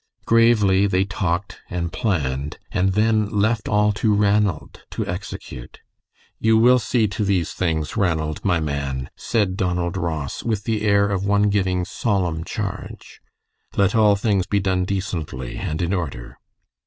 Gravely they talked and planned, and then left all to Ranald to execute. "You will see to these things, Ranald, my man," said Donald Ross, with the air of one giving solemn charge. "Let all things be done decently and in order."